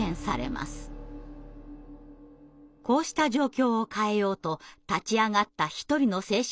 こうした状況を変えようと立ち上がった一人の精神科医がいました。